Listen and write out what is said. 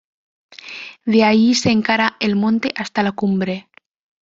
De allí se encara el monte hasta la cumbre.